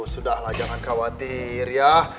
sudah lah jangan khawatir ya